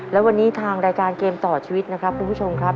และวันนี้ทางรายการเกมต่อชีวิตนะครับคุณผู้ชมครับ